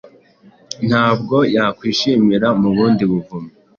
Ntabwo yakwishimira mu bundi buvumo